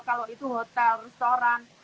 kalau itu hotel restoran